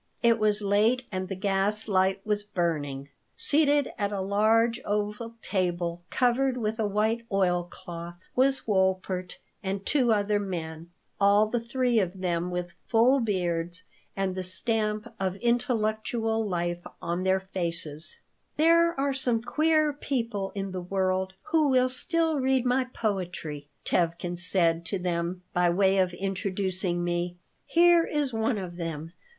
It was late and the gas light was burning. Seated at a large oval table, covered with a white oil cloth, was Wolpert and two other men, all the three of them with full beards and with the stamp of intellectual life on their faces "There are some queer people in the world who will still read my poetry," Tevkin said to them, by way of introducing me. "Here is one of them.